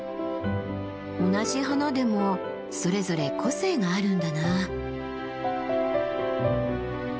同じ花でもそれぞれ個性があるんだなあ。